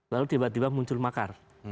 lalu tiba tiba muncul makar